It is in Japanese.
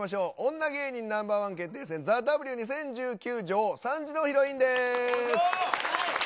女芸人ナンバー１決定戦、ＴＨＥＷ２０１９女王、３時のヒロインです。